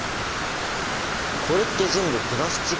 これって全部プラスチックだよね。